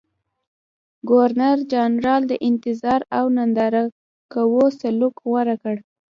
ګورنرجنرال د انتظار او ننداره کوه سلوک غوره کړ.